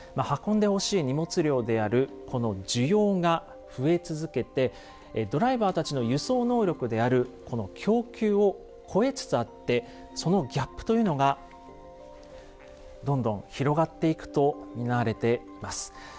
運んでほしい荷物量であるこの需要が増え続けてドライバーたちの輸送能力であるこの供給を超えつつあってそのギャップというのがどんどん広がっていくと見られています。